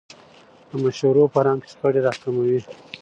د مشورو فرهنګ شخړې راکموي